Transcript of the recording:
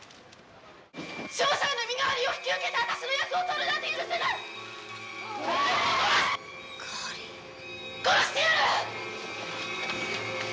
翔さんの身代わりを引き受けて私の役を取るなんて許せないかおり殺してやる！